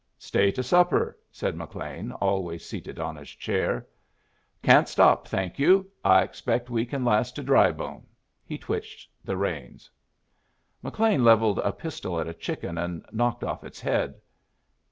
"Stay to supper," said McLean, always seated on his chair. "Can't stop, thank you. I expect we can last to Drybone." He twitched the reins. McLean levelled a pistol at a chicken, and knocked off its head.